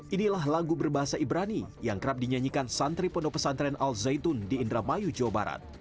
inilah lagu berbahasa ibrani yang kerap dinyanyikan santri pondok pesantren al zaitun di indramayu jawa barat